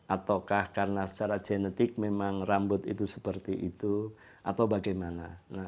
ataukah karena secara genetik memang rambut itu seperti itu atau bagaimana